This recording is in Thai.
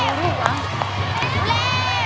ใช่ลุกเข้าไปจ้า